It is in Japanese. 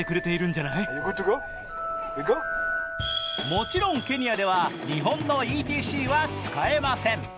もちろんケニアでは日本のＥＴＣは使えません。